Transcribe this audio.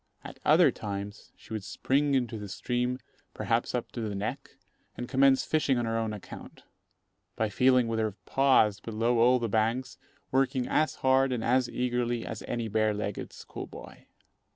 At other times, she would spring into the stream, perhaps up to the neck, and commence fishing on her own account, by feeling with her paws below all the banks, working as hard and as eagerly as any bare legged school boy.